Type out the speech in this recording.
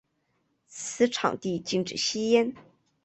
此场地禁止吸烟。